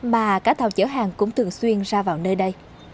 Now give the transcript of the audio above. mà cả tàu chở hàng cũng thường xuyên ra vào nơi đây